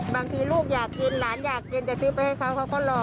บางทีลูกอยากกินหลานอยากกินจะซื้อไปให้เขาเขาก็รอ